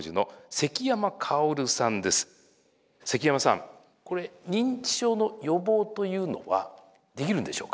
積山さんこれ認知症の予防というのはできるんでしょうか？